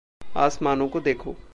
आसमानों को देखो।